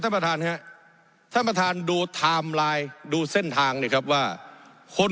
ท่านประธานครับท่านประธานดูไทม์ไลน์ดูเส้นทางเนี่ยครับว่าคน